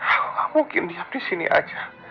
aku gak mungkin di sini aja